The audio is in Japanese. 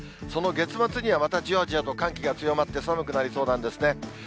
その月末にはまたじわじわと寒気が強まって、寒くなりそうなんですね。